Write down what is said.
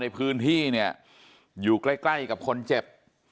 ในพื้นที่อยู่ใกล้กับคนเจ็บ